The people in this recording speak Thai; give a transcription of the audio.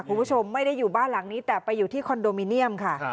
คุณผู้ชมไม่ได้อยู่บ้านหลังนี้แต่ไปอยู่ที่คอนโดมิเนียมค่ะ